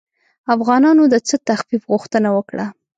افغانانو د څه تخفیف غوښتنه وکړه.